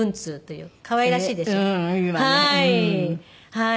はい。